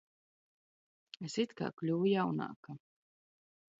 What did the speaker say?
Es it k? k?uvu jaun?ka!